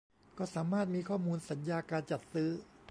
ก็สามารถมีข้อมูลสัญญาการจัดซื้อ